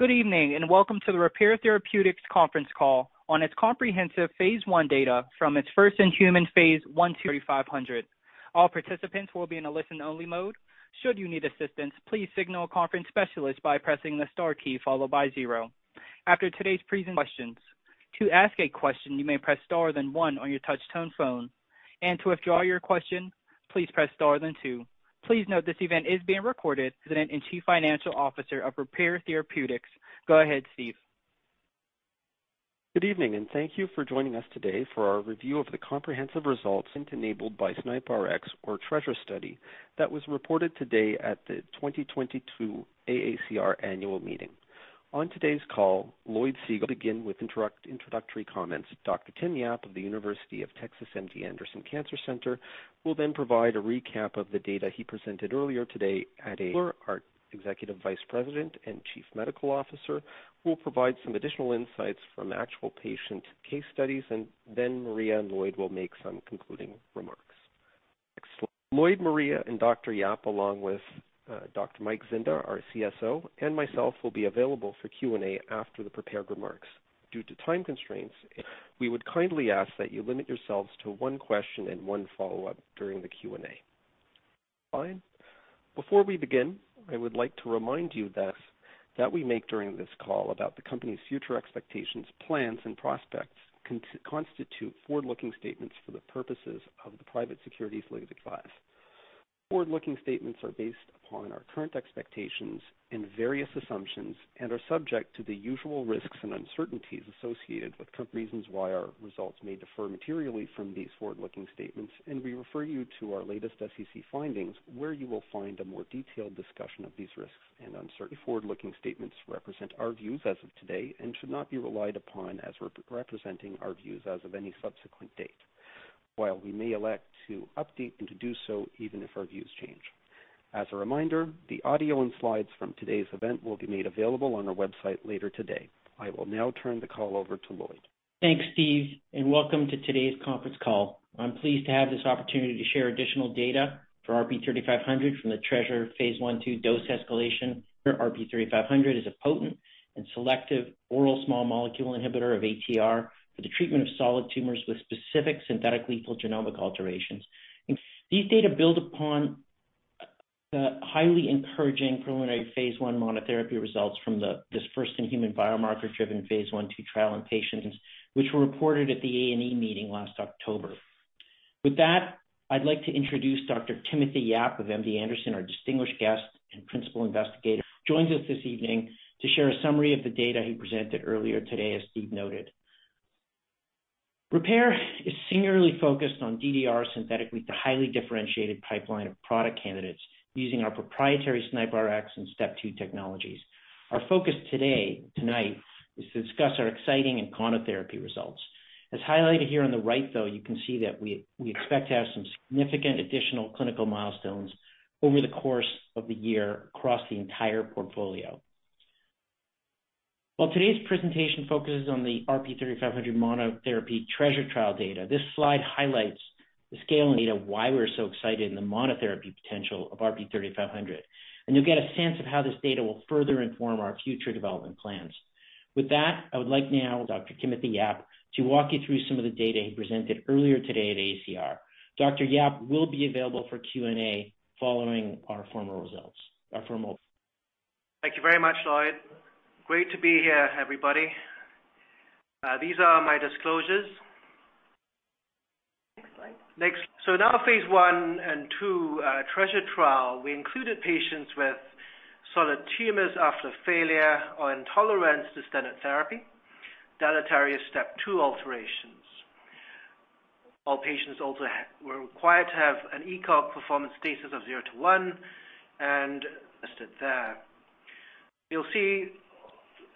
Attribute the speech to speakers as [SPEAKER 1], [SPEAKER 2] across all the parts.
[SPEAKER 1] Good evening, and welcome to the Repare Therapeutics conference call on its comprehensive phase I data from its first-in-human phase I RP-3500. All participants will be in a listen-only mode. Should you need assistance, please signal a conference specialist by pressing the star key followed by zero. After today's presentation, questions. To ask a question, you may press star, then one on your touch-tone phone. To withdraw your question, please press star then two. Please note this event is being recorded. Steve Forte, Executive Vice President and Chief Financial Officer of Repare Therapeutics. Go ahead, Steve.
[SPEAKER 2] Good evening, and thank you for joining us today for our review of the comprehensive results enabled by SNIPRx or TRESR study that was reported today at the 2022 AACR annual meeting. On today's call, Lloyd Segal begins with introductory comments. Dr. Tim Yap of the University of Texas MD Anderson Cancer Center will then provide a recap of the data he presented earlier today. Our Executive Vice President and Chief Medical Officer will provide some additional insights from actual patient case studies, and then Maria and Lloyd will make some concluding remarks. Lloyd, Maria, and Dr. Yap, along with Dr. Mike Zinda, our CSO, and myself, will be available for Q&A after the prepared remarks. Due to time constraints, we would kindly ask that you limit yourselves to one question and one follow-up during the Q&A. Before we begin, I would like to remind you that that we make during this call about the company's future expectations, plans, and prospects constitute forward-looking statements for the purposes of the Private Securities Litigation Reform Act. Forward-looking statements are based upon our current expectations and various assumptions and are subject to the usual risks and uncertainties associated with the company. Reasons why our results may differ materially from these forward-looking statements, and we refer you to our latest SEC filings where you will find a more detailed discussion of these risks and uncertainties. Forward-looking statements represent our views as of today and should not be relied upon as representing our views as of any subsequent date. While we may elect to update and to do so even if our views change. As a reminder, the audio and slides from today's event will be made available on our website later today. I will now turn the call over to Lloyd.
[SPEAKER 3] Thanks, Steve, and welcome to today's conference call. I'm pleased to have this opportunity to share additional data for RP-3500 from the TRESR phase I/II dose escalation. RP-3500 is a potent and selective oral small molecule inhibitor of ATR for the treatment of solid tumors with specific synthetic lethal genomic alterations. These data build upon the highly encouraging preliminary phase I monotherapy results from this first-in-human biomarker-driven phase I/II trial in patients, which were reported at the AACR meeting last October. With that, I'd like to introduce Dr. Timothy Yap of MD Anderson, our distinguished guest and principal investigator, joins us this evening to share a summary of the data he presented earlier today, as Steve noted. Repare is singularly focused on DDR synthetic with a highly differentiated pipeline of product candidates using our proprietary SNIPRx and STEP2 technologies. Our focus today, tonight, is to discuss our exciting monotherapy results. As highlighted here on the right, though, you can see that we expect to have some significant additional clinical milestones over the course of the year across the entire portfolio. While today's presentation focuses on the RP-3500 monotherapy TRESR trial data, this slide highlights the clinical data why we're so excited in the monotherapy potential of RP-3500. You'll get a sense of how this data will further inform our future development plans. With that, I would like now Dr. Timothy Yap to walk you through some of the data he presented earlier today at AACR. Dr. Yap will be available for Q&A following our formal results.
[SPEAKER 4] Thank you very much, Lloyd. Great to be here, everybody. These are my disclosures.
[SPEAKER 3] Next slide.
[SPEAKER 4] Next. In our phase I and II TRESR trial, we included patients with solid tumors after failure or intolerance to standard therapy, deleterious STEP2 alterations. All patients also were required to have an ECOG performance status of zero to one, and listed there. You'll see,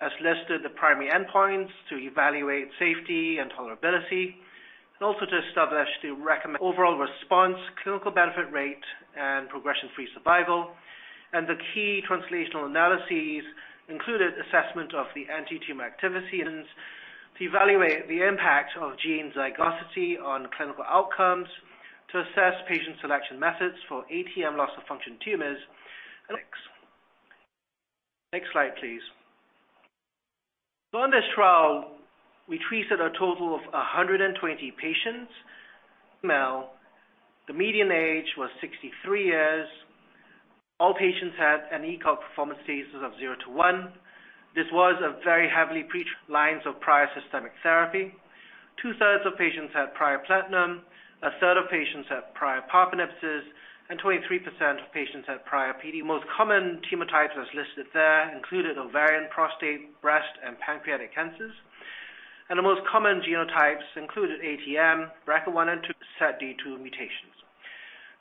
[SPEAKER 4] as listed, the primary endpoints to evaluate safety and tolerability, and also to establish overall response, clinical benefit rate, and progression-free survival. The key translational analyses included assessment of the anti-tumor activities to evaluate the impact of gene zygosity on clinical outcomes, to assess patient selection methods for ATM loss-of-function tumors. Next. Next slide, please. On this trial, we treated a total of 120 patients, male. The median age was 63 years. All patients had an ECOG performance status of zero to one. This was a very heavily pretreated lines of prior systemic therapy. 2/3 of patients had prior platinum, a third of patients had prior platinum, a third of patients had prior PARP inhibitors, and 23% of patients had prior PD. Most common tumor types, as listed there, included ovarian, prostate, breast, and pancreatic cancers. The most common genotypes included ATM, BRCA1 and BRCA2, SETD2 mutations.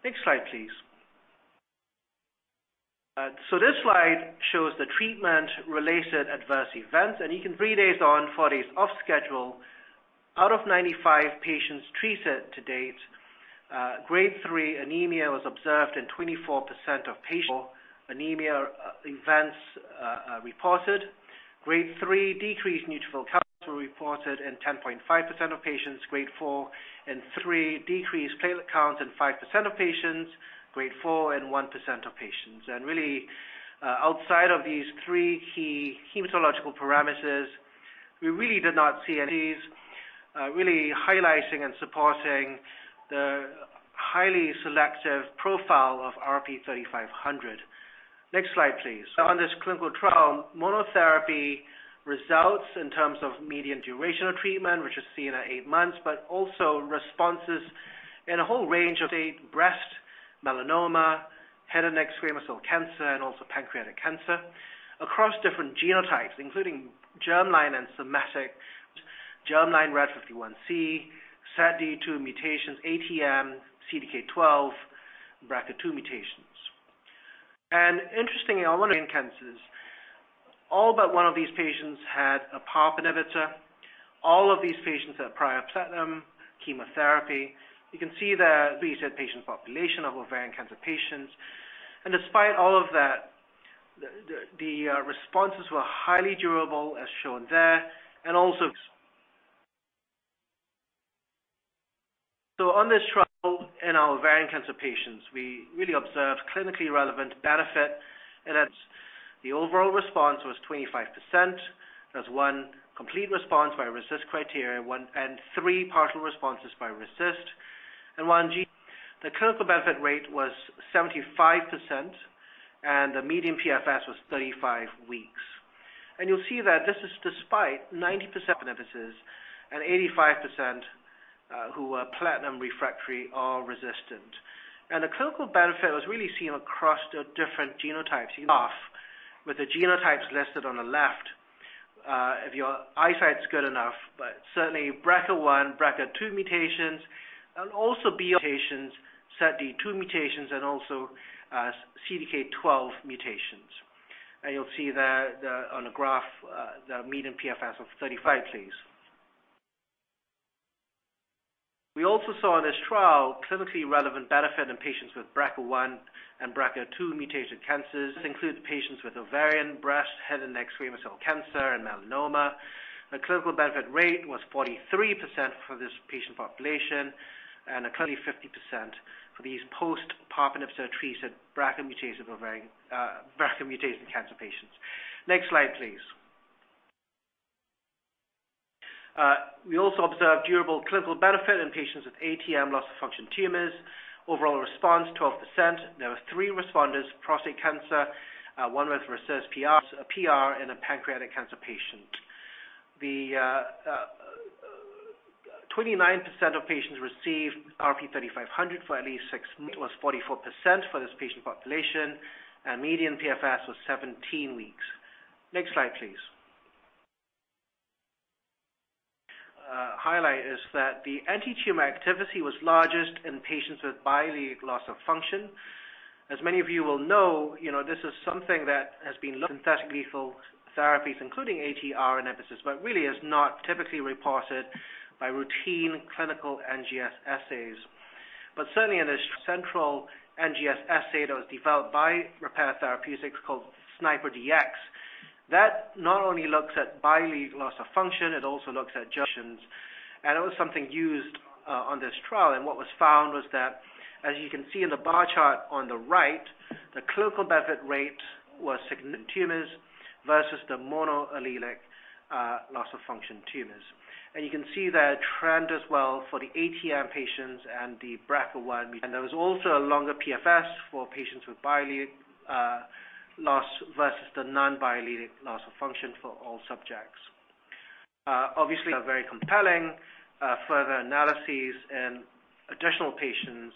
[SPEAKER 4] Next slide, please. So this slide shows the treatment-related adverse events, and you can three days on, four days off schedule. Out of 95 patients treated to date, grade 3 anemia was observed in 24% of patients. Anemia events reported. Grade 3 decreased neutrophil counts were reported in 10.5% of patients. Grade 4 and 3 decreased platelet count in 5% of patients. Grade 4 in 1% of patients. Really, outside of these three key hematological parameters, we really did not see any Really highlighting and supporting the highly selective profile of RP-3500. Next slide, please. On this clinical trial, monotherapy results in terms of median duration of treatment, which is seen at eight months, but also responses in a whole range of solid breast, melanoma, head and neck squamous cell cancer, and also pancreatic cancer across different genotypes, including germline and somatic, germline RAD51C, SETD2 mutations, ATM, CDK12, BRCA2 mutations. Interestingly, cancers, all but one of these patients had a PARP inhibitor. All of these patients had prior platinum chemotherapy. You can see that recent patient population of ovarian cancer patients. Despite all of that, the responses were highly durable as shown there. On this trial in our ovarian cancer patients, we really observed clinically relevant benefit. That's the overall response was 25%. There's one complete response by RECIST criteria, one and three partial responses by RECIST and one SD. The clinical benefit rate was 75% and the median PFS was 35 weeks. You'll see that this is despite 90% PARP inhibitors and 85% who were platinum refractory or resistant. The clinical benefit was really seen across the different genotypes with the genotypes listed on the left if your eyesight's good enough. Certainly BRCA1, BRCA2 mutations and also HRD patients, SETD2 mutations and also CDK12 mutations. You'll see that on the graph the median PFS of 35 weeks. We also saw in this trial clinically relevant benefit in patients with BRCA1 and BRCA2 mutation cancers. This includes patients with ovarian, breast, head and neck squamous cell cancer and melanoma. The clinical benefit rate was 43% for this patient population and currently 50% for these post-PARP inhibitor treated BRCA-mutated ovarian cancer patients. Next slide, please. We also observed durable clinical benefit in patients with ATM loss of function tumors. Overall response 12%. There were three responders, prostate cancer, one with RECIST PR, a PR in a pancreatic cancer patient. 29% of patients received RP-3500 for at least six months. It was 44% for this patient population, and median PFS was 17 weeks. Next slide, please. The highlight is that the anti-tumor activity was largest in patients with biallelic loss of function. As many of you will know, you know, this is something that has been looked synthetically for therapies including ATR inhibitors, but really is not typically reported by routine clinical NGS assays. Certainly in this central NGS assay that was developed by Repare Therapeutics called SNIPRx, that not only looks at biallelic loss of function, it also looks at junctions. It was something used on this trial. What was found was that, as you can see in the bar chart on the right, the clinical benefit rate was significantly higher in the biallelic loss of function tumors versus the monoallelic loss of function tumors. You can see that trend as well for the ATM patients and the BRCA1 mutant. There was also a longer PFS for patients with biallelic loss versus the non-biallelic loss of function for all subjects. These data are very compelling. Further analyses in additional patients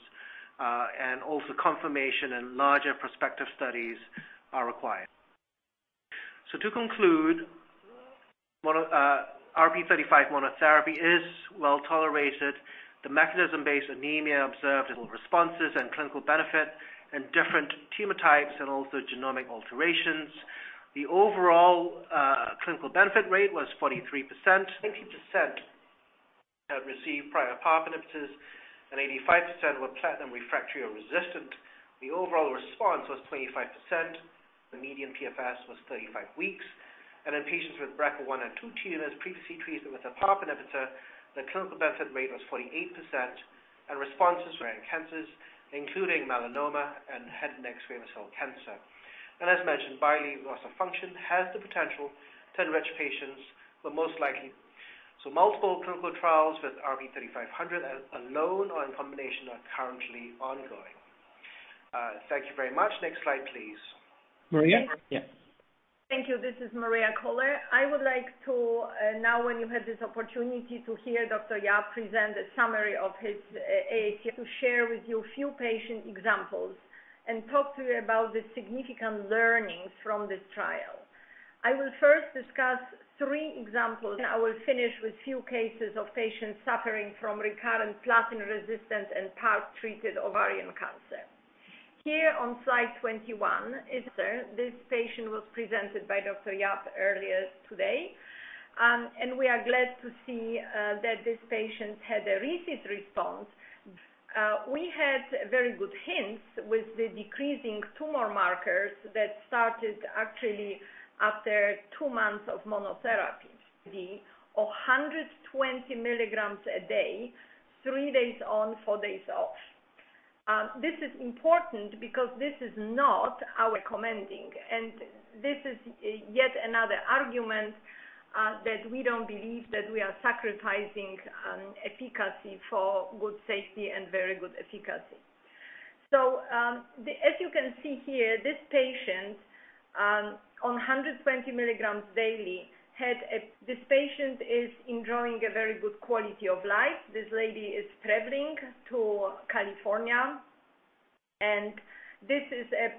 [SPEAKER 4] and also confirmation in larger prospective studies are required. To conclude, RP-3500 monotherapy is well-tolerated. The mechanism-based anemia observed responses and clinical benefit in different tumor types and also genomic alterations. The overall clinical benefit rate was 43%. 90% had received prior PARP inhibitors and 85% were platinum refractory or resistant. The overall response was 25%. The median PFS was 35 weeks. In patients with BRCA1 and two tumors previously treated with a PARP inhibitor, the clinical benefit rate was 48% and responses were in cancers including melanoma and head and neck squamous cell cancer. As mentioned, biallelic loss of function has the potential to enrich patients but most likely. Multiple clinical trials with RP-3500 alone or in combination are currently ongoing. Thank you very much. Next slide, please. Maria? Yeah.
[SPEAKER 5] Thank you. This is Maria Koehler. I would like to now, when you have this opportunity, to hear Dr. Yap present a summary of his to share with you a few patient examples and talk to you about the significant learnings from this trial. I will first discuss three examples. I will finish with few cases of patients suffering from recurrent platinum resistant and PARP treated ovarian cancer. Here on slide 21 is this patient was presented by Dr. Yap earlier today, and we are glad to see that this patient had a RECIST response. We had very good hints with the decreasing tumor markers that started actually after two months of monotherapy. The 120 mg/d, three days on, four days off. This is important because this is not our recommendation, and this is yet another argument that we don't believe that we are sacrificing efficacy for good safety and very good efficacy. As you can see here, this patient on 120 mg/d is enjoying a very good quality of life. This lady is traveling to California, and this is a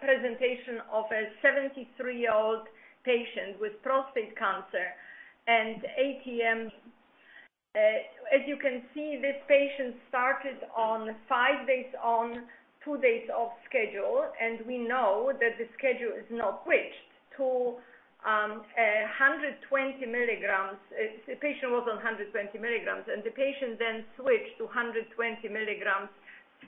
[SPEAKER 5] presentation of a 73-year-old patient with prostate cancer and ATM. As you can see, this patient started on five days on, two days off schedule, and we know that the schedule is now switched to 120 mg. The patient was on 120 mg, and the patient then switched to 120 mg.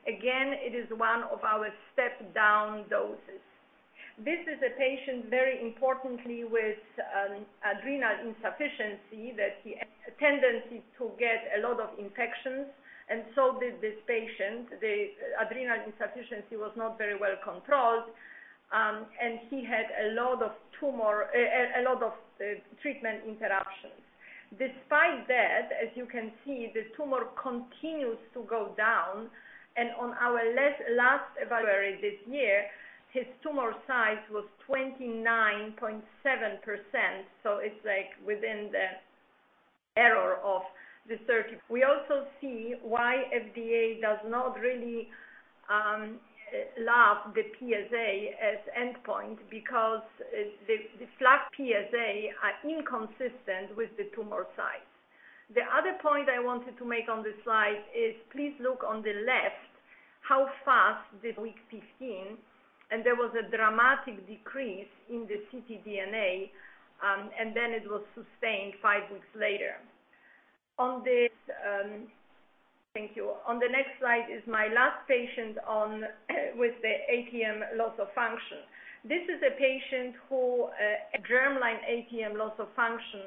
[SPEAKER 5] Again, it is one of our step-down doses. This is a patient very importantly with adrenal insufficiency that he has a tendency to get a lot of infections. So did this patient. The adrenal insufficiency was not very well controlled, and he had a lot of treatment interruptions. Despite that, as you can see, the tumor continues to go down, and on our last evaluation this year, his tumor size was 29.7%, so it's like within the error of the 30. We also see why FDA does not really love the PSA as endpoint because the flat PSA are inconsistent with the tumor size. The other point I wanted to make on this slide is please look on the left how fast the week 15, and there was a dramatic decrease in the ctDNA, and then it was sustained five weeks later. On this, thank you. On the next slide is my last patient on with the ATM loss of function. This is a patient who has germline ATM loss of function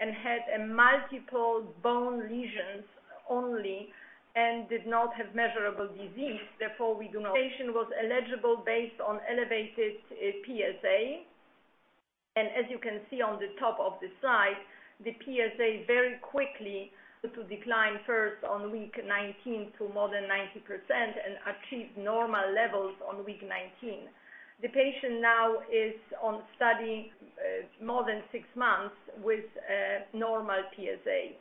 [SPEAKER 5] and had multiple bone lesions only and did not have measurable disease. Therefore, we do not. Patient was eligible based on elevated PSA. As you can see on the top of the slide, the PSA very quickly declined first on week 19 to more than 90% and achieved normal levels on week 19. The patient now is on study more than six months with normal PSA.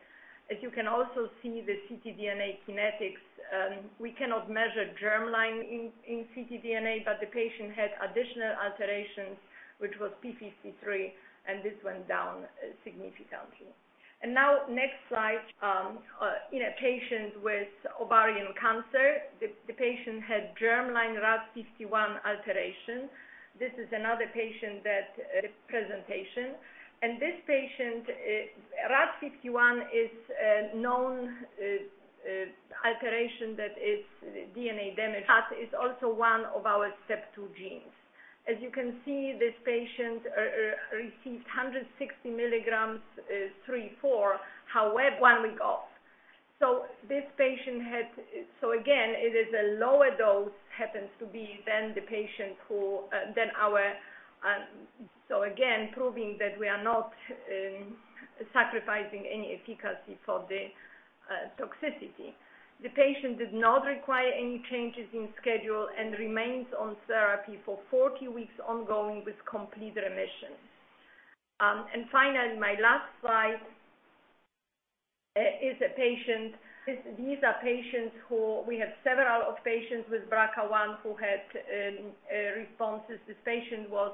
[SPEAKER 5] As you can also see the ctDNA kinetics, we cannot measure germline in ctDNA, but the patient had additional alterations, which was TP53, and this went down significantly. Now next slide, in a patient with ovarian cancer. The patient had germline RAD51 alteration. This is another patient that presentation. This patient, RAD51 is a known alteration that is DNA damage. But it's also one of our STEP2 genes. As you can see, this patient received 160 mg, 3/4, however, one week off. This patient had a lower dose happens to be than the patient who than our. Proving that we are not sacrificing any efficacy for the toxicity. The patient did not require any changes in schedule and remains on therapy for 40 weeks ongoing with complete remission. Finally, my last slide is a patient. These are patients who we have several of with BRCA1 who had responses. This patient was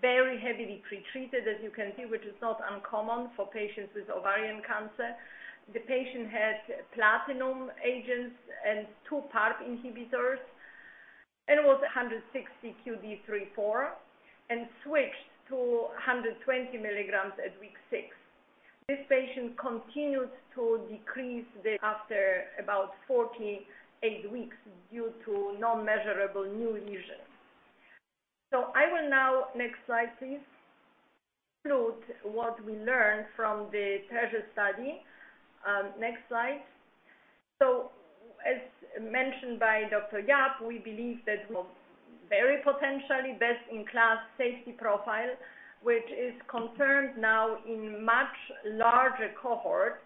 [SPEAKER 5] very heavily pretreated, as you can see, which is not uncommon for patients with ovarian cancer. The patient had platinum agents and two PARP inhibitors and was 160 QD 3/4 and switched to 120 mg at week six. This patient continues to decrease thereafter about 48 weeks due to non-measurable new lesions. I will now, next slide, please, conclude what we learned from the TRESR study. Next slide. As mentioned by Dr. Yap, we believe that we have very potentially best-in-class safety profile, which is confirmed now in much larger cohort.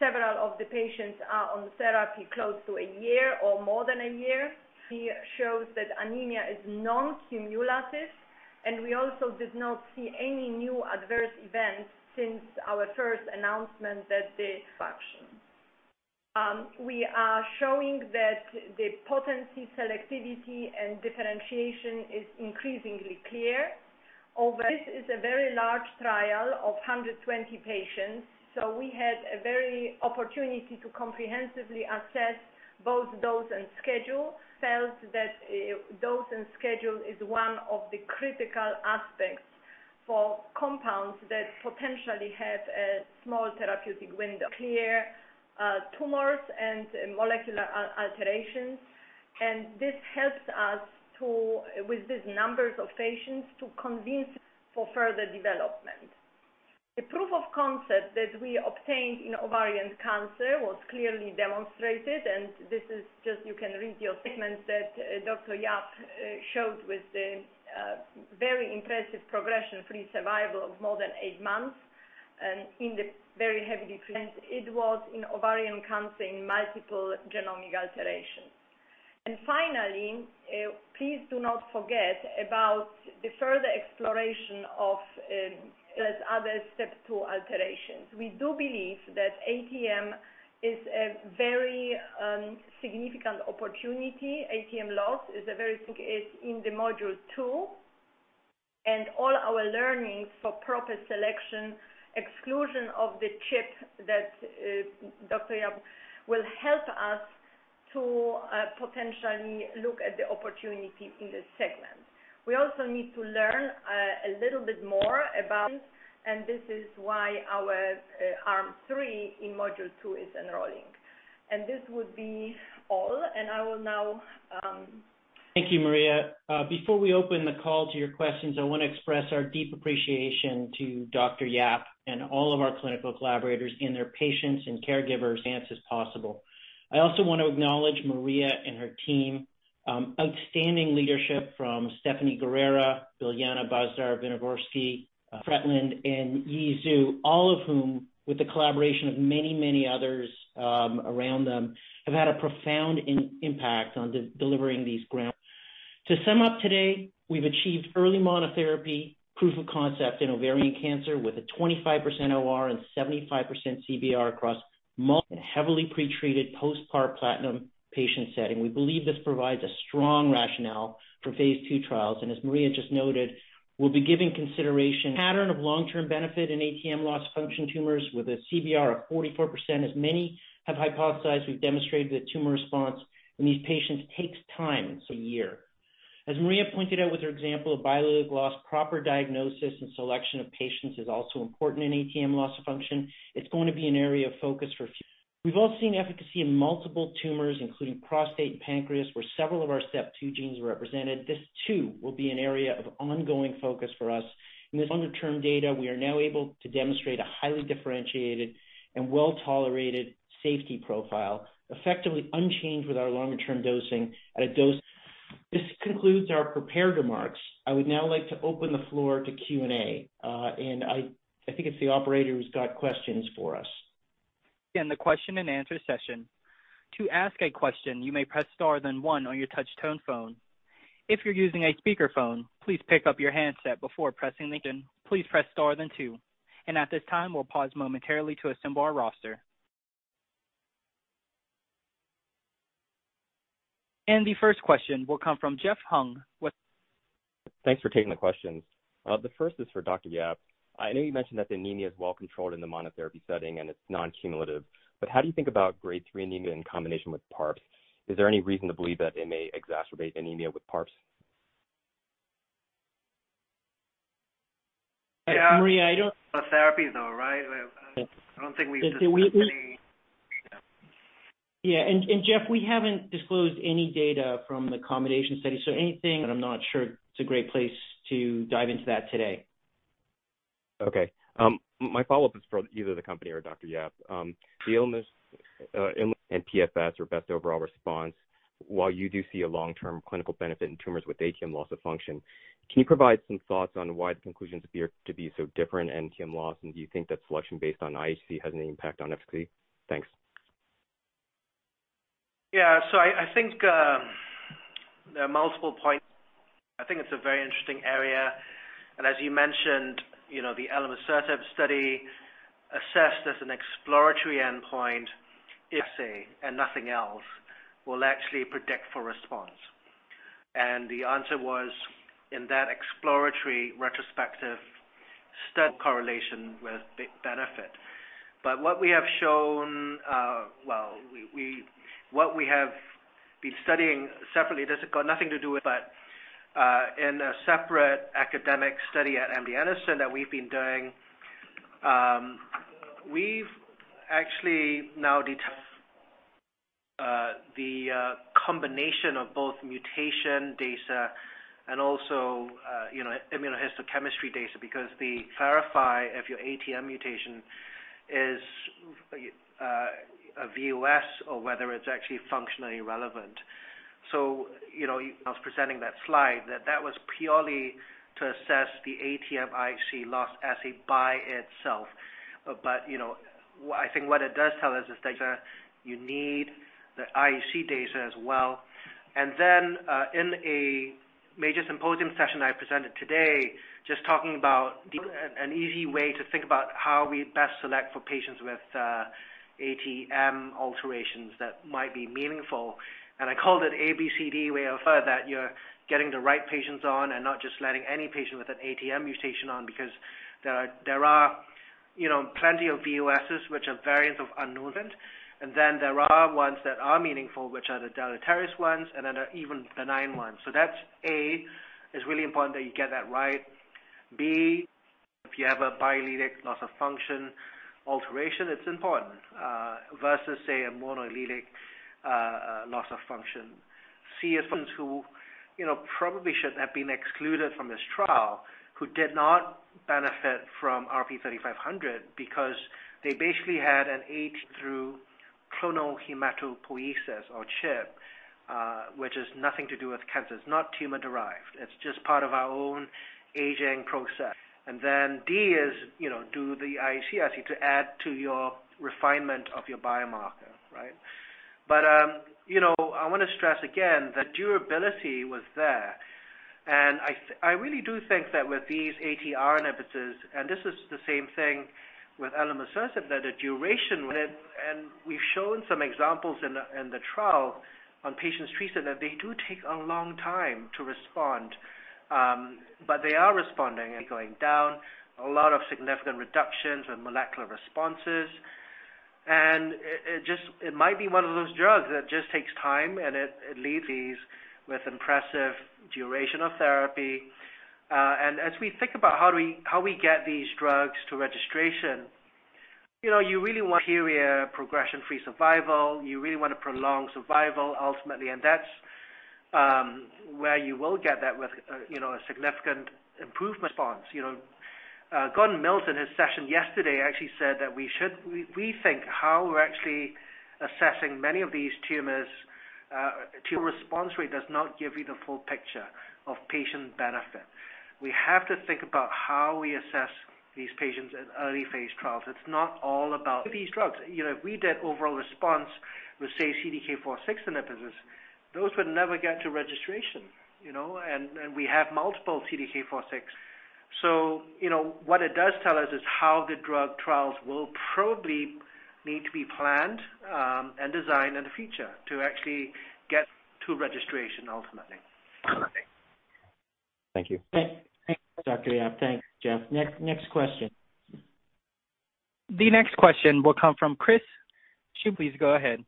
[SPEAKER 5] Several of the patients are on therapy close to a year or more than a year. It shows that anemia is non-cumulative, and we also did not see any new adverse events since our first announcement. We are showing that the potency, selectivity and differentiation is increasingly clear. This is a very large trial of 120 patients, so we had a great opportunity to comprehensively assess both dose and schedule. We felt that dose and schedule is one of the critical aspects for compounds that potentially have a small therapeutic window in tumors and molecular alterations, and this helps us, with these numbers of patients, to convince for further development. The proof of concept that we obtained in ovarian cancer was clearly demonstrated, and this is just you can read the statements that Dr. Yap showed with the very impressive progression-free survival of more than eight months, and in the very heavy decrease. It was in ovarian cancer in multiple genomic alterations. Finally, please do not forget about the further exploration of as other STEP2 alterations. We do believe that ATM is a very significant opportunity. ATM loss is in the Module 2, and all our learnings for proper selection, exclusion of the CHIP that Dr. Yap will help us to potentially look at the opportunity in this segment. We also need to learn a little bit more about, and this is why our Arm 3 in Module 2 is enrolling. This would be all, and I will now.
[SPEAKER 3] Thank you, Maria. Before we open the call to your questions, I want to express our deep appreciation to Dr. Yap and all of our clinical collaborators and their patients and caregivers. I also want to acknowledge Maria and her team, outstanding leadership from Stephanie Guerrera, Biljana Bazdar-Vinovrski, Adrian Fretland, and Yi Xu, all of whom, with the collaboration of many others around them, have had a profound impact on delivering these ground. To sum up today, we've achieved early monotherapy proof of concept in ovarian cancer with a 25% OR and 75% CBR across multiple heavily pre-treated post-PARP platinum patient setting. We believe this provides a strong rationale for phase II trials. As Maria just noted, we'll be giving consideration to the pattern of long-term benefit in ATM loss-of-function tumors with a CBR of 44%. As many have hypothesized, we've demonstrated that tumor response in these patients takes time, so a year. As Maria pointed out with her example of biallelic loss, proper diagnosis and selection of patients is also important in ATM loss of function. It's going to be an area of focus for us. We've all seen efficacy in multiple tumors, including prostate and pancreas, where several of our STEP2 genes are represented. This too will be an area of ongoing focus for us. In this longer-term data, we are now able to demonstrate a highly differentiated and well-tolerated safety profile, effectively unchanged with our longer-term dosing at a dose. This concludes our prepared remarks. I would now like to open the floor to Q&A. I think it's the operator who's got questions for us.
[SPEAKER 1] The first question will come from Jeff Hung with-
[SPEAKER 6] Thanks for taking the questions. The first is for Dr. Yap. I know you mentioned that the anemia is well controlled in the monotherapy setting and it's non-cumulative, but how do you think about grade 3 anemia in combination with PARPs? Is there any reason to believe that it may exacerbate anemia with PARPs?
[SPEAKER 3] Maria, I don't.
[SPEAKER 4] Therapies, though, right? I don't think we've discussed any.
[SPEAKER 3] Yeah. Jeff, we haven't disclosed any data from the combination study. I'm not sure it's a great place to dive into that today.
[SPEAKER 6] My follow-up is for either the company or Dr. Yap on the analysis and PFS or best overall response. While you do see a long-term clinical benefit in tumors with ATM loss of function, can you provide some thoughts on why the conclusions appear to be so different in ATM loss? And do you think that selection based on IHC has any impact on PFS? Thanks.
[SPEAKER 4] I think there are multiple points. I think it's a very interesting area. As you mentioned, you know, the elimusertib study assessed as an exploratory endpoint assay and nothing else will actually predict for response. The answer was in that exploratory retrospective study correlation with the benefit. What we have shown, well, what we have been studying separately, this has got nothing to do with. In a separate academic study at MD Anderson that we've been doing, we've actually now determined the combination of both mutation data and also, you know, immunohistochemistry data, because to clarify if your ATM mutation is a VUS or whether it's actually functionally relevant. You know, I was presenting that slide, that was purely to assess the ATM IHC loss assay by itself. You know, I think what it does tell us is that you need the IHC data as well. In a major symposium session I presented today, just talking about an easy way to think about how we best select for patients with ATM alterations that might be meaningful. I called it ABCD way of further that you're getting the right patients on, and not just letting any patient with an ATM mutation on, because there are, you know, plenty of VUSs which are variants of unknown. There are ones that are meaningful, which are the deleterious ones, and then there are even benign ones. That's A, is really important that you get that right. B, if you have a biallelic loss of function alteration, it's important versus, say, a monoallelic loss of function. C is patients who, you know, probably should have been excluded from this trial, who did not benefit from RP-3500 because they basically had an age-related clonal hematopoiesis or CHIP, which is nothing to do with cancer. It's not tumor derived. It's just part of our own aging process. D is, you know, do the IHC to add to your refinement of your biomarker, right? I wanna stress again that durability was there. I really do think that with these ATR inhibitors, and this is the same thing with elimusertib, that the duration with it, and we've shown some examples in the trial on patients treated, that they do take a long time to respond. They are responding and going down, a lot of significant reductions in molecular responses. It might be one of those drugs that just takes time, and it leaves these with impressive duration of therapy. As we think about how we get these drugs to registration, you know, you really want progression-free survival. You really wanna prolong survival ultimately. That's where you will get that with, you know, a significant improvement response. You know, Gordon Mills in his session yesterday actually said that we should rethink how we're actually assessing many of these tumors. Tumor response rate does not give you the full picture of patient benefit. We have to think about how we assess these patients in early phase trials. It's not all about these drugs. You know, if we did overall response with, say, CDK4/6 inhibitors, those would never get to registration, you know. We have multiple CDK4/6. You know, what it does tell us is how the drug trials will probably need to be planned and designed in the future to actually get to registration ultimately.
[SPEAKER 6] Thank you.
[SPEAKER 3] Thanks, Dr. Yap. Thanks, Jeff. Next question.
[SPEAKER 1] The next question will come from Chris Shibutani. Please go ahead.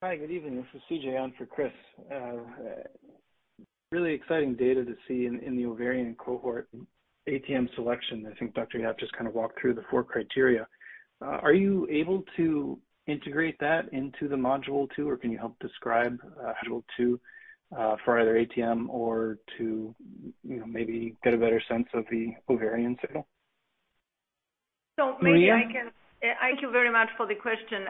[SPEAKER 7] Hi, good evening. This is CJ on for Chris. Really exciting data to see in the ovarian cohort ATM selection. I think Dr. Yap just kind of walked through the four criteria. Are you able to integrate that into the Module 2, or can you help describe Module 2 for either ATM or to, you know, maybe get a better sense of the ovarian signal?
[SPEAKER 4] So maybe I can-
[SPEAKER 3] Maria?
[SPEAKER 5] Thank you very much for the question.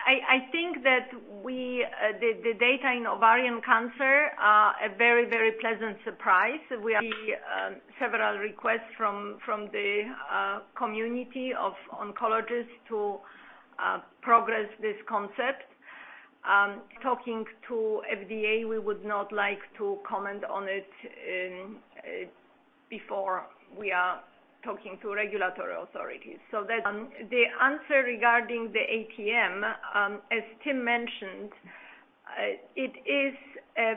[SPEAKER 5] I think that the data in ovarian cancer are a very pleasant surprise. We are seeing several requests from the community of oncologists to progress this concept. Talking to FDA, we would not like to comment on it before we are talking to regulatory authorities. The answer regarding the ATM, as Tim mentioned, it is a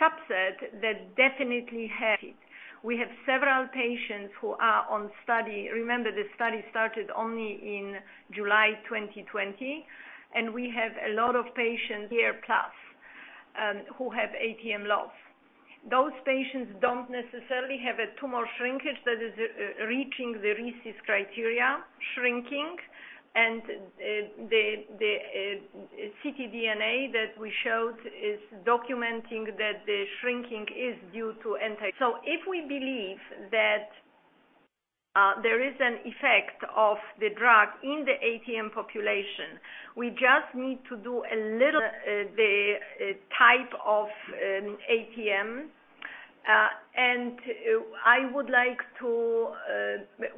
[SPEAKER 5] subset that definitely has it. We have several patients who are on study. Remember, the study started only in July 2020, and we have a lot of patients here who have ATM loss. Those patients don't necessarily have a tumor shrinkage that is reaching the RECIST criteria shrinking. The ctDNA that we showed is documenting that the shrinking is due to anti. If we believe that, there is an effect of the drug in the ATM population, we just need to do a little the type of ATM.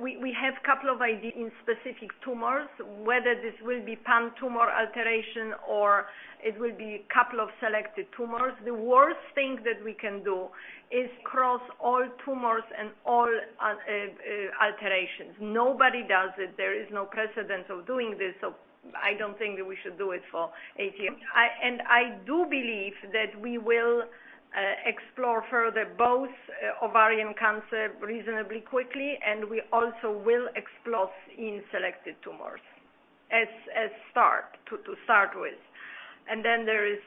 [SPEAKER 5] We have couple of ideas in specific tumors, whether this will be pan-tumor alteration or it will be couple of selected tumors. The worst thing that we can do is across all tumors and all alterations. Nobody does it. There is no precedent of doing this, so I don't think that we should do it for ATM. I do believe that we will explore further both ovarian cancer reasonably quickly, and we also will explore in selected tumors as start to start with. There is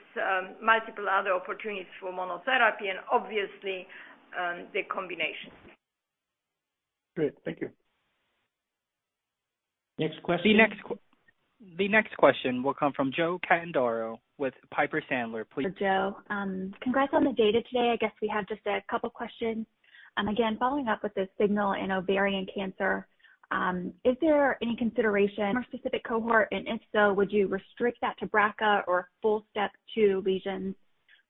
[SPEAKER 5] multiple other opportunities for monotherapy and obviously the combination.
[SPEAKER 7] Great. Thank you.
[SPEAKER 3] Next question.
[SPEAKER 1] The next question will come from Joe Catanzaro with Piper Sandler. Please-
[SPEAKER 8] Joe, congrats on the data today. I guess we have just a couple questions. Again, following up with this signal in ovarian cancer, is there any consideration for specific cohort? If so, would you restrict that to BRCA or full STEP2 lesions?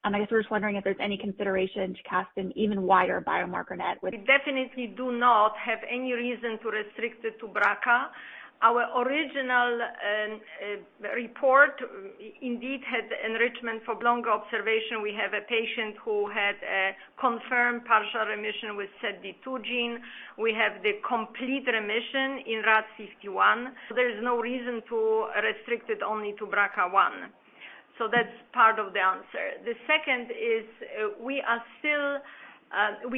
[SPEAKER 8] I guess we're just wondering if there's any consideration to cast an even wider biomarker net with?
[SPEAKER 5] We definitely do not have any reason to restrict it to BRCA. Our original report indeed had the enrichment for longer observation. We have a patient who had a confirmed partial remission with SETD2 gene. We have the complete remission in RAD51. There is no reason to restrict it only to BRCA1. That's part of the answer. The second is, we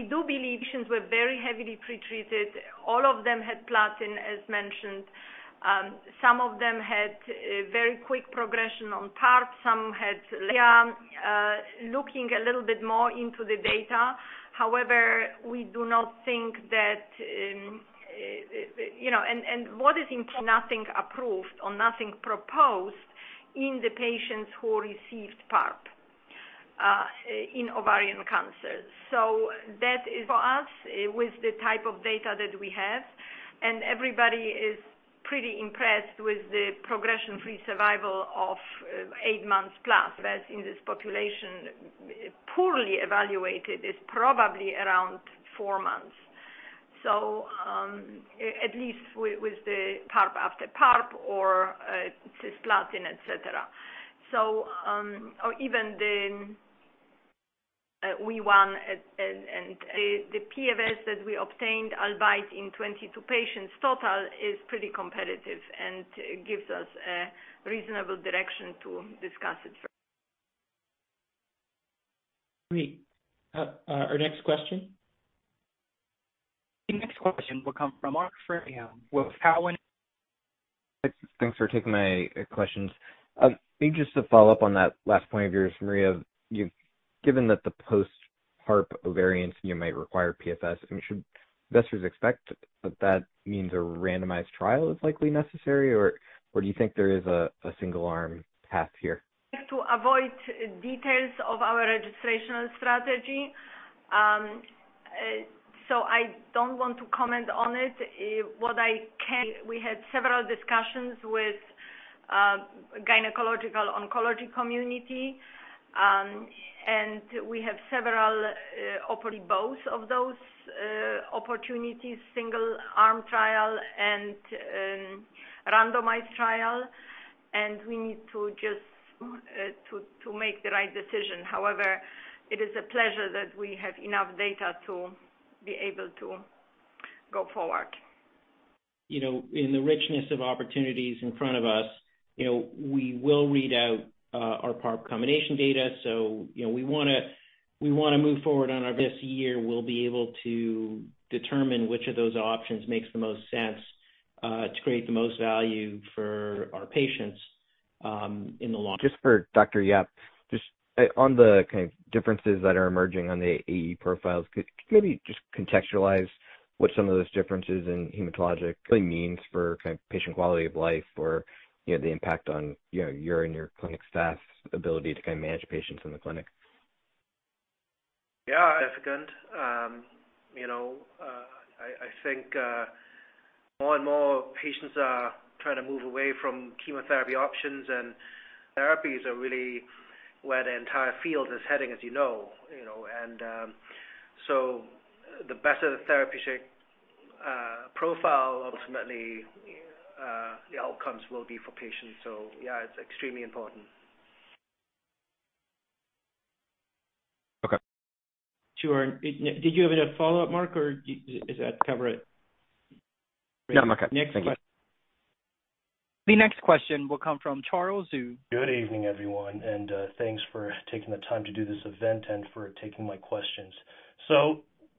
[SPEAKER 5] do believe patients were very heavily pretreated. All of them had platinum, as mentioned. Some of them had a very quick progression on PARP. Looking a little bit more into the data. However, we do not think that, you know, and what is important, nothing approved or nothing proposed in the patients who received PARP in ovarian cancer. That is for us, with the type of data that we have, and everybody is pretty impressed with the progression-free survival of eight months-plus. Whereas in this population, poorly evaluated, is probably around four months. At least with the PARP after PARP or Cisplatin, et cetera. Or even the one and the PFS that we obtained, albeit in 22 patients total, is pretty competitive and gives us a reasonable direction to discuss it further.
[SPEAKER 3] Great. Our next question.
[SPEAKER 1] The next question will come from Marc Frahm with Cowen.
[SPEAKER 9] Thanks for taking my questions. Maybe just to follow up on that last point of yours, Maria. Given that the post-PARP ovarian, you might require PFS, I mean, should investors expect that means a randomized trial is likely necessary, or do you think there is a single arm path here?
[SPEAKER 5] To avoid details of our registrational strategy. I don't want to comment on it. What I can, we had several discussions with gynecological oncology community, and we have several, probably both of those opportunities, single arm trial and randomized trial, and we need to just to make the right decision. However, it is a pleasure that we have enough data to be able to go forward.
[SPEAKER 3] You know, in the richness of opportunities in front of us, you know, we will read out our PARP combination data. You know, we wanna move forward. This year, we'll be able to determine which of those options makes the most sense to create the most value for our patients in the long-
[SPEAKER 9] Just for Dr. Yap, just on the kind of differences that are emerging on the AE profiles, could maybe just contextualize what some of those differences in hematologic really means for kind of patient quality of life or, you know, the impact on, you know, your and your clinic staff's ability to kind of manage patients in the clinic?
[SPEAKER 4] Yeah. Significant. You know, I think more and more patients are trying to move away from chemotherapy options, and therapies are really where the entire field is heading, as you know. You know, and so the better the therapeutic profile, ultimately, the outcomes will be for patients. Yeah, it's extremely important.
[SPEAKER 9] Okay.
[SPEAKER 3] Sure. Did you have a follow-up, Marc, or does that cover it?
[SPEAKER 9] No, I'm okay. Thank you.
[SPEAKER 1] The next question will come from Charles Xu.
[SPEAKER 10] Good evening, everyone, and thanks for taking the time to do this event and for taking my questions.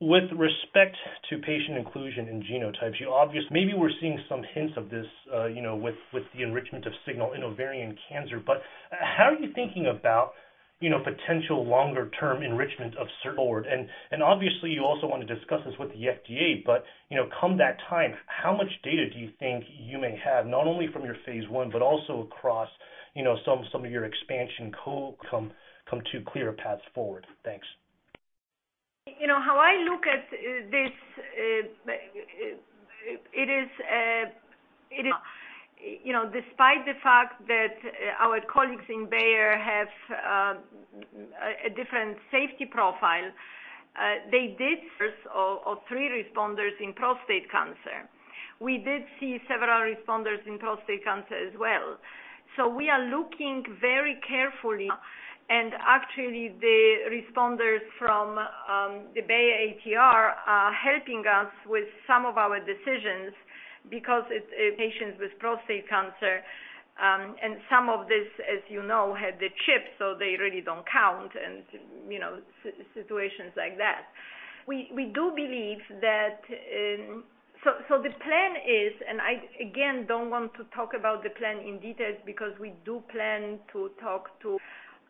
[SPEAKER 10] With respect to patient inclusion in genotypes, maybe we're seeing some hints of this, you know, with the enrichment of signal in ovarian cancer. How are you thinking about, you know, potential longer-term enrichment of camonsertib? And obviously you also want to discuss this with the FDA, but, you know, come that time, how much data do you think you may have, not only from your phase I, but also across, you know, some of your expansion cohorts come to clearer paths forward? Thanks.
[SPEAKER 5] You know, how I look at this, it is, you know, despite the fact that our colleagues in Bayer have a different safety profile, they did first of three responders in prostate cancer. We did see several responders in prostate cancer as well. We are looking very carefully. Actually, the responders from the Bayer ATR are helping us with some of our decisions because it's patients with prostate cancer, and some of this, as you know, had the CHIP, so they really don't count and, you know, situations like that. We do believe that the plan is. I again don't want to talk about the plan in detail.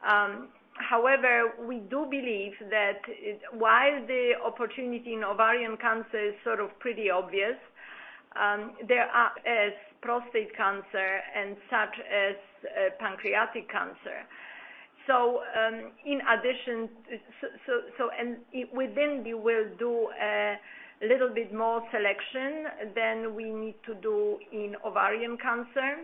[SPEAKER 5] However, we do believe that while the opportunity in ovarian cancer is sort of pretty obvious, there are also prostate cancer and such as pancreatic cancer. In addition, we will do a little bit more selection than we need to do in ovarian cancer.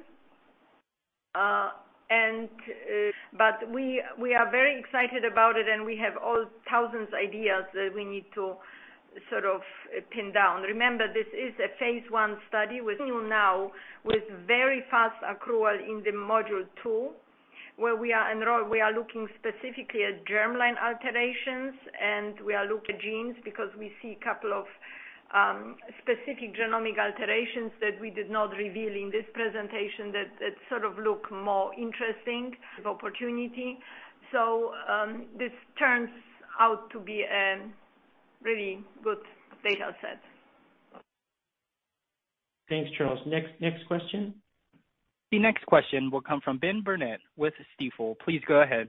[SPEAKER 5] We are very excited about it, and we have a thousand ideas that we need to sort of pin down. Remember, this is a phase I study with you now, with very fast accrual in the module two, where we are looking specifically at germline alterations, and we are looking at genes because we see a couple of specific genomic alterations that we did not reveal in this presentation that sort of look more interesting of opportunity. This turns out to be a really good data set.
[SPEAKER 3] Thanks, Charles. Next question.
[SPEAKER 1] The next question will come from Ben Burnett with Stifel. Please go ahead.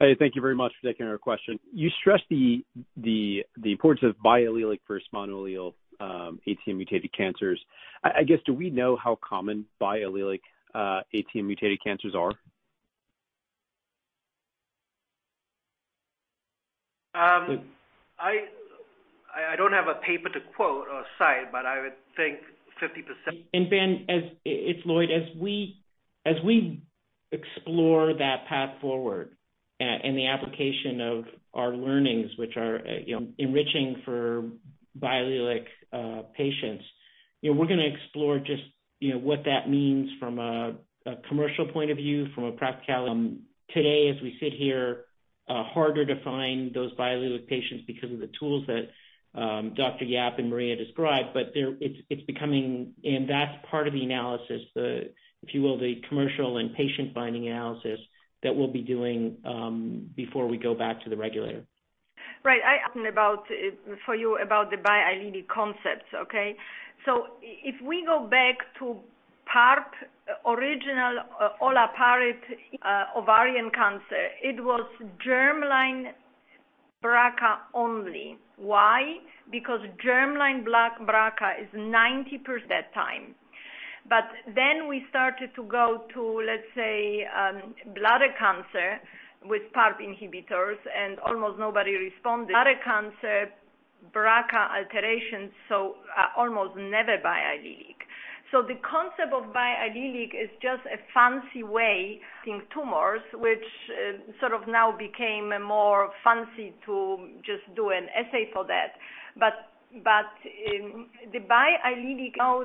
[SPEAKER 11] Hey, thank you very much for taking our question. You stressed the importance of biallelic versus monoallelic ATM mutated cancers. I guess, do we know how common biallelic ATM mutated cancers are?
[SPEAKER 4] I don't have a paper to quote or cite, but I would think 50%.
[SPEAKER 3] Ben, it's Lloyd. As we explore that path forward and the application of our learnings, which are, you know, enriching for biallelic patients, you know, we're gonna explore just, you know, what that means from a commercial point of view, from a practicality. Today, as we sit here, harder to find those biallelic patients because of the tools that Dr. Yap and Maria described, but it's becoming, and that's part of the analysis, the, if you will, the commercial and patient finding analysis that we'll be doing before we go back to the regulator.
[SPEAKER 5] Right. I often talk about the biallelic concepts for you, okay? If we go back to PARP, original olaparib, ovarian cancer, it was germline BRCA only. Why? Because germline BRCA is 90% that time. Then we started to go to, let's say, bladder cancer with PARP inhibitors, and almost nobody responded. Bladder cancer, BRCA alterations, so almost never biallelic. The concept of biallelic is just a fancy way in tumors, which sort of now became more fancy to just do an assay for that. But in the biallelic, now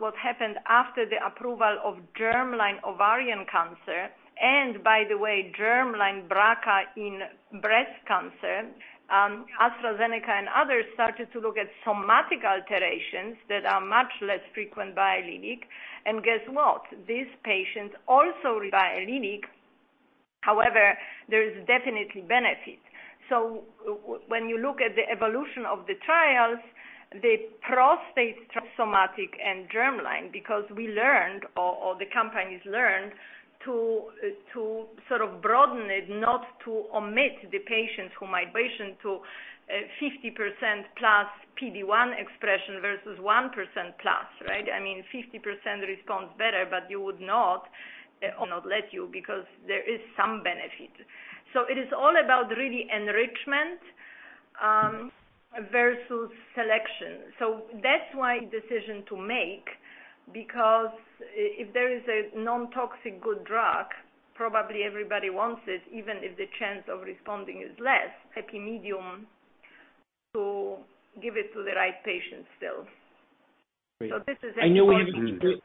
[SPEAKER 5] what happened after the approval of germline ovarian cancer, and by the way, germline BRCA in breast cancer, AstraZeneca and others started to look at somatic alterations that are much less frequent biallelic. Guess what? These patients also biallelic. However, there is definitely benefit. When you look at the evolution of the trials, the prostate somatic and germline, because we learned or the companies learned to sort of broaden it, not to omit the patients who migration to 50%+ PD-1 expression versus 1%+, right? I mean, 50% responds better, but you would not, or not let you because there is some benefit. It is all about really enrichment versus selection. That's why decision to make, because if there is a non-toxic good drug, probably everybody wants it, even if the chance of responding is less, like a medium, to give it to the right patient still.
[SPEAKER 11] Great.
[SPEAKER 5] This is important.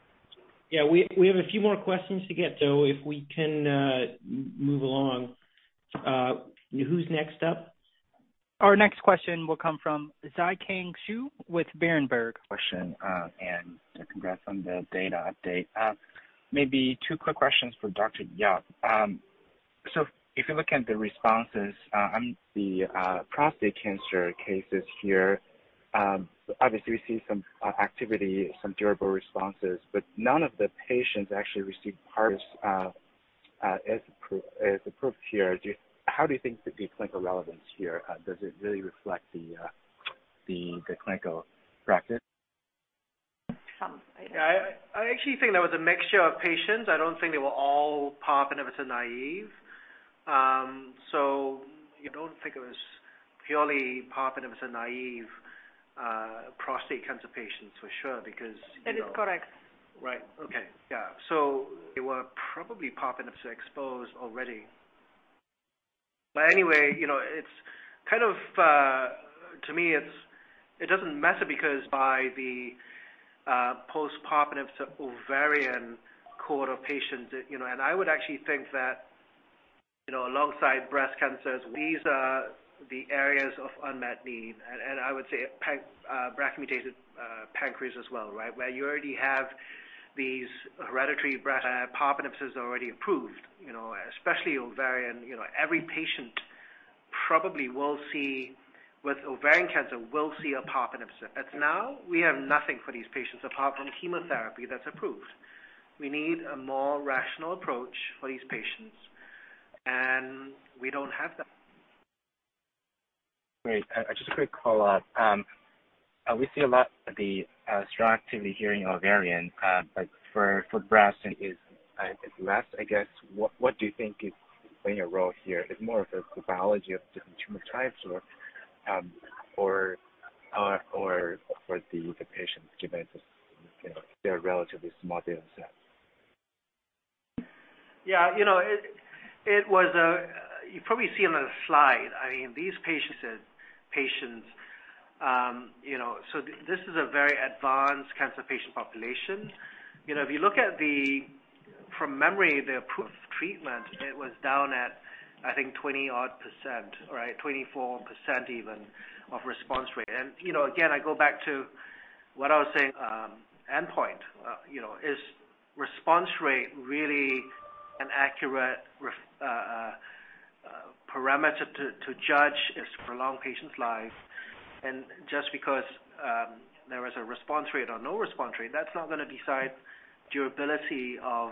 [SPEAKER 4] Yeah, we have a few more questions to get, so if we can move along. Who's next up?
[SPEAKER 1] Our next question will come from Zhi-Kang Xu with Berenberg.
[SPEAKER 12] Question, congrats on the data update. Maybe two quick questions for Dr. Yap. If you look at the responses on the prostate cancer cases here, obviously we see some activity, some durable responses, but none of the patients actually received PARP as approved here. How do you think the clinical relevance here, does it really reflect the clinical practice?
[SPEAKER 5] Some.
[SPEAKER 4] I actually think there was a mixture of patients. I don't think they were all PARP inhibitor-naïve. You don't think it was purely PARP inhibitor-naïve prostate cancer patients, for sure, because, you know.
[SPEAKER 5] That is correct.
[SPEAKER 4] Right. Okay. Yeah. They were probably PARP inhibitors exposed already. But anyway, you know, it's kind of, to me, it doesn't matter because by the post-PARP ovarian cohort of patients, you know, and I would actually think that, you know, alongside breast cancers, these are the areas of unmet need. I would say BRCA-mutated pancreas as well, right? Where you already have these hereditary breast PARP inhibitors already approved, you know. Especially ovarian, you know, every patient probably will see, with ovarian cancer, will see a PARP inhibitor. And now, we have nothing for these patients apart from chemotherapy that's approved. We need a more rational approach for these patients, and we don't have that.
[SPEAKER 12] Great. Just a quick follow-up. We see a lot of the strong activity here in ovarian, but for breast it is less, I guess. What do you think is playing a role here? Is it more of the biology of different tumor types or for the patients given the, you know, their relatively small data set.
[SPEAKER 4] You probably see on the slide. I mean, these patients. This is a very advanced cancer patient population. If you look at the approved treatment from memory, it was down at, I think 20%-odd, right? 24% even of response rate. Again, I go back to what I was saying, endpoint. Is response rate really an accurate parameter to judge is to prolong patients' life. Just because there was a response rate or no response rate, that's not gonna decide durability of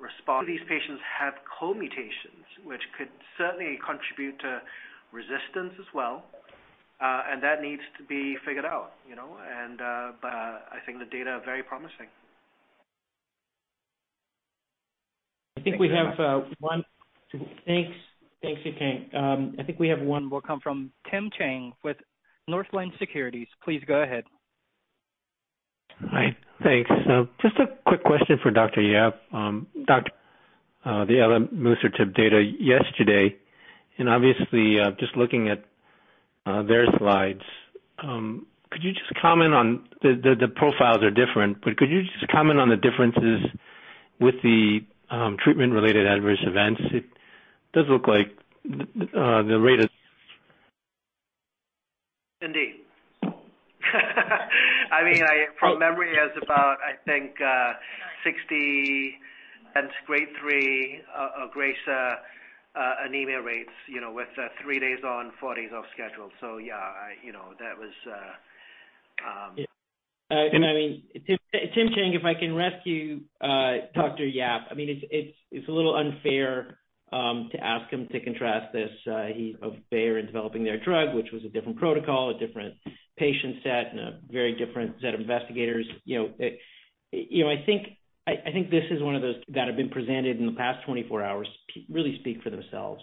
[SPEAKER 4] response. These patients have co-mutations, which could certainly contribute to resistance as well, and that needs to be figured out. I think the data are very promising.
[SPEAKER 3] I think we have one. Thanks.
[SPEAKER 1] Thanks, Zhi-Kang. I think we have one more call from Tim Chang with Northland Securities. Please go ahead.
[SPEAKER 13] Hi. Thanks. Just a quick question for Dr. Yap. Doc, the other elimusertib data yesterday, and obviously, just looking at their slides. The profiles are different, but could you just comment on the differences with the treatment-related adverse events? It does look like the rate is.
[SPEAKER 4] Indeed. I mean, from memory, it was about, I think, 60% grade 3 anemia rates, you know, with three days on, four days off schedule. Yeah, I, you know, that was.
[SPEAKER 3] Yeah. I mean, Tim Chang, if I can rescue Dr. Yap, I mean, it's a little unfair to ask him to contrast this. He of Bayer in developing their drug, which was a different protocol, a different patient set, and a very different set of investigators. You know, I think this is one of those that have been presented in the past 24 hours really speak for themselves.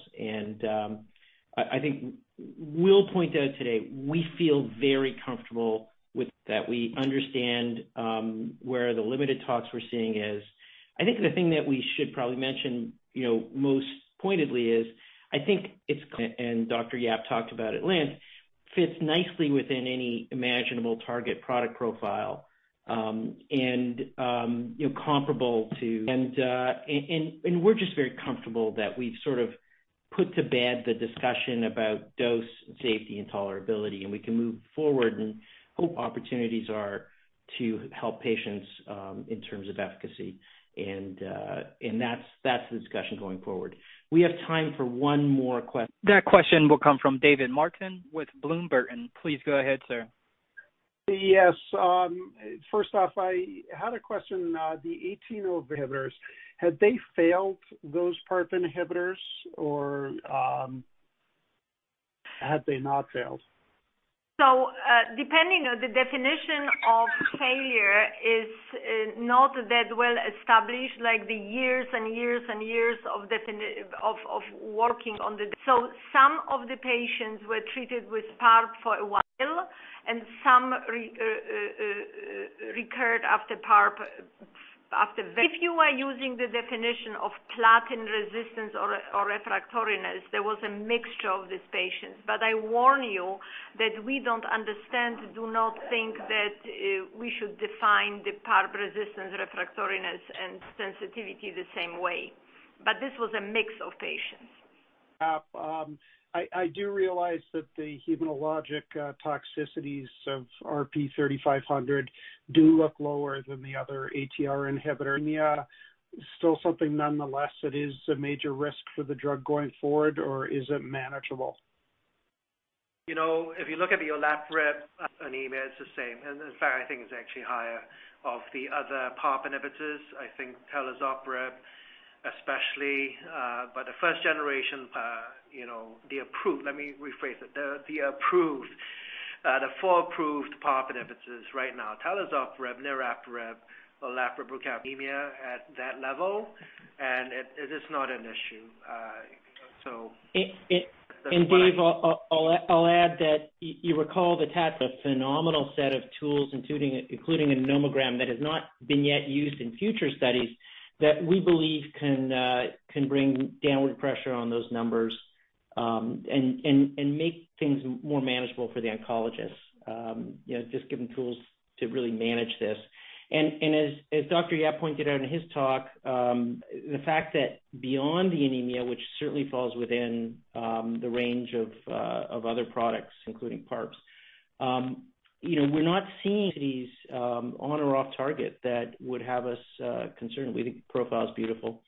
[SPEAKER 3] I think we'll point out today, we feel very comfortable with that. We understand where the limited data we're seeing is. I think the thing that we should probably mention, you know, most pointedly is I think and Dr. Yap talked about at length, fits nicely within any imaginable target product profile, and you know, comparable to. We're just very comfortable that we've sort of put to bed the discussion about dose, safety, and tolerability, and we can move forward and hope opportunities are to help patients, in terms of efficacy. That's the discussion going forward.
[SPEAKER 1] We have time for one more question. That question will come from David Martin with Bloom Burton, and please go ahead, sir.
[SPEAKER 14] Yes. First off, I had a question. The ATR inhibitors, had they failed those PARP inhibitors or had they not failed?
[SPEAKER 5] Depending on the definition of failure is not that well established like the years and years of working on the. Some of the patients were treated with PARP for a while, and some recurred after PARP, after very. If you are using the definition of platinum resistance or refractoriness, there was a mixture of these patients. I warn you that we don't understand. Do not think that we should define the PARP resistance refractoriness and sensitivity the same way. This was a mix of patients.
[SPEAKER 14] I do realize that the hematologic toxicities of RP-3500 do look lower than the other ATR inhibitor. Anemia is still something nonetheless that is a major risk for the drug going forward, or is it manageable?
[SPEAKER 4] You know, if you look at the olaparib, anemia, it's the same. In fact, I think it's actually higher of the other PARP inhibitors. I think talazoparib especially, but the first generation, you know, the approved. Let me rephrase it. The four approved PARP inhibitors right now, talazoparib, niraparib, olaparib, rucaparib, anemia at that level, and it is not an issue.
[SPEAKER 3] Dave, I'll add that you recall that has a phenomenal set of tools, including a nomogram that has not been yet used in future studies that we believe can bring downward pressure on those numbers, and make things more manageable for the oncologists. You know, just give them tools to really manage this. As Dr. Yap pointed out in his talk, the fact that beyond the anemia, which certainly falls within the range of other products, including PARPs, you know, we're not seeing these on or off target that would have us concerned. We think the profile is beautiful.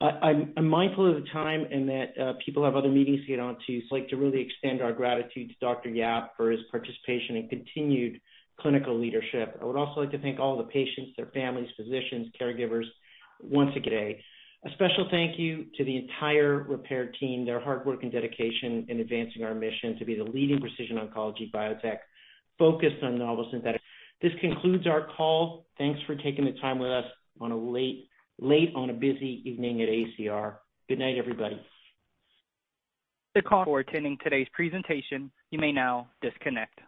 [SPEAKER 3] I'm mindful of the time and that people have other meetings to get on to. I'd like to really extend our gratitude to Dr. Yap for his participation and continued clinical leadership. I would also like to thank all the patients, their families, physicians, caregivers once again today. A special thank you to the entire Repare team, their hard work and dedication in advancing our mission to be the leading precision oncology biotech focused on novel synthetic. This concludes our call. Thanks for taking the time with us on a late on a busy evening at AACR. Good night, everybody.
[SPEAKER 1] Thank you for attending today's presentation. You may now disconnect.